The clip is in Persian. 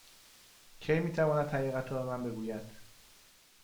کی می تواند حقیقت را به من بگوید؟